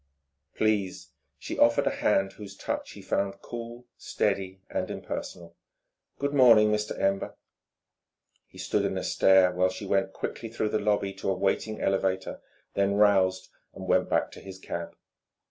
"Please." She offered a hand whose touch he found cool, steady, and impersonal. "Good morning, Mr. Ember." He stood in a stare while she went quickly through the lobby to a waiting elevator, then roused and went back to his cab.